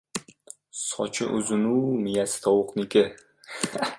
• Sochi uzun-u, miyasi tovuqniki.